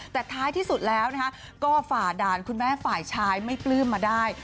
แต่ท้ายที่สุดแล้วก็ฝ่าด่านคุณแม่ฝ่ายชายไม่ปลื้มมาได้